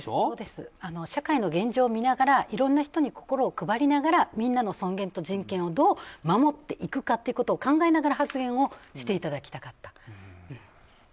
社会の現状を見ながらいろんな人に心を配りながらみんなの尊厳と人権をどう守っていくかということを考えながら発言をしていただきたかった。